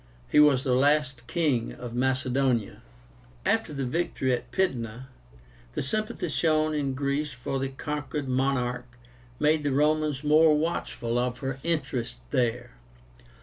He was the last king of Macedonia. After the victory at Pydna, the sympathy shown in Greece for the conquered monarch made the Romans more watchful of her interests there.